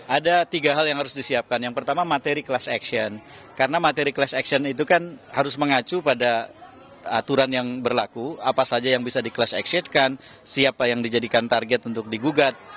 ada tiga hal yang harus disiapkan yang pertama materi kelas action karena materi kelas action itu kan harus mengacu pada aturan yang berlaku apa saja yang bisa di class exitkan siapa yang dijadikan target untuk digugat